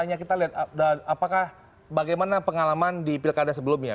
hanya kita lihat apakah bagaimana pengalaman di pilkada sebelumnya